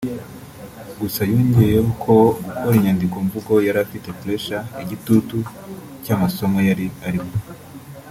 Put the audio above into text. Gusa yongeyeho ko mu gukora inyandiko mvugo yari afite ‘Pressure’ (igitutu) cy’amasomo yari arimo